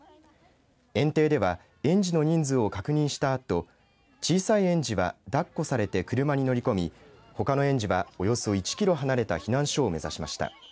園庭では園児の人数を確認したあと小さい園児はだっこされて車に乗り込みほかの園児はおよそ１キロ離れた避難所を目指しました。